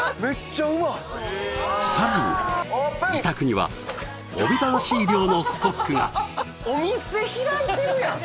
さらに自宅にはおびただしい量のストックがお店開いてるやん